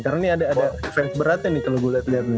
karena ini ada defense beratnya nih kalo gue liat liat nih